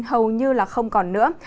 hầu như không còn nữa